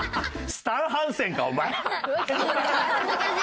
スタン・ハンセンか！